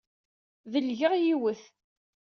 Delgeɣ yiwet.